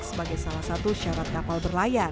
sebagai salah satu syarat